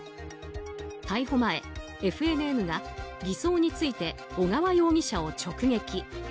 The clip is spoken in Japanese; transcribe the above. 逮捕前、ＦＮＮが偽装について小川容疑者を直撃。